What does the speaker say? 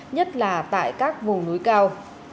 nhất là tại các vùng núi cao